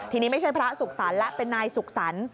ทีนี้ไม่ใช่พระสุขสรรค์และเป็นนายสุขสรรค์